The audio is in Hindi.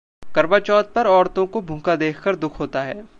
'करवाचौथ पर औरतों को भूखा देखकर दुख होता है'